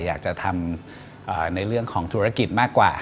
อยากจะทำในเรื่องของธุรกิจมากกว่า